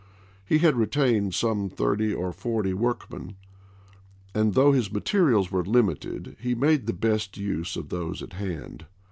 He had retained some thkty or forty work men, and though his materials were limited, he made the best use of those at hand.